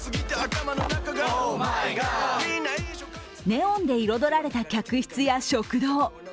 ネオンで彩られた客室や食堂。